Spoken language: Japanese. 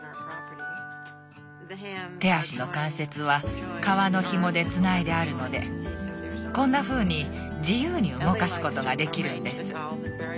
手足の関節は革のひもでつないであるのでこんなふうに自由に動かすことができるんです。